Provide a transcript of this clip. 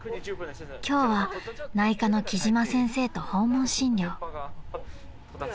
［今日は内科の貴島先生と訪問診療］